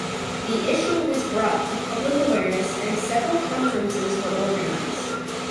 The issue was brought to public awareness and several conferences were organized.